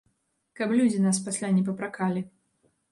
Каб людзі нас пасля не папракалі.